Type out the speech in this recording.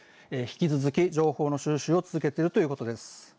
引き続き情報の収集を続けてということです。